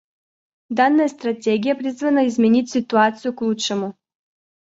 Данная стратегия призвана изменить ситуацию к лучшему.